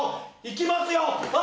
いきますよ！